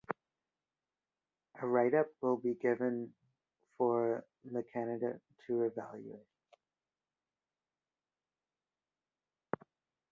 A writeup will bve given for the candidate to evaluate.